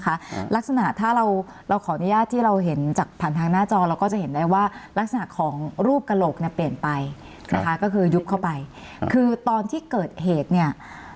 ลักษณะถ้าเราเราขออนุญาตที่เราเห็นจากผ่านทางหน้าจอเราก็จะเห็นได้ว่ารักษณะของรูปกระโหลกเนี่ยเปลี่ยนไปนะคะก็คือยุบเข้าไปคือตอนที่เกิดเหตุเนี่ย